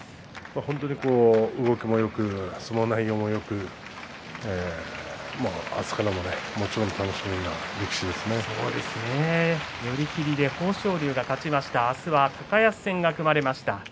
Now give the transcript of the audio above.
本当に動きもよく相撲内容もよく寄り切りで豊昇龍が勝ちました明日は高安戦が組まれました。